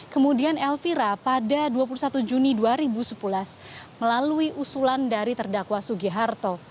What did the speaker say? kemudian elvira pada dua puluh satu juni dua ribu sebelas melalui usulan dari terdakwa sugiharto